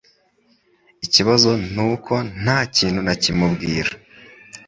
Ikibazo nuko ntakintu nakimubwira